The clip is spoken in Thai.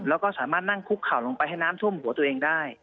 แล้วก็สามารถนั่งคุกเข่าลงไปให้น้ำท่วมหัวตัวเองได้